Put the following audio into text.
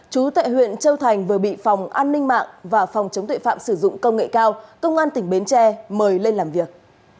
chú tại huyện châu thành vừa bị phòng an ninh mạng và phòng chống tuệ phạm sử dụng công nghệ cao công an tỉnh bến tre mời lên làm việc